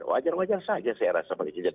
wajar wajar saja saya rasa presiden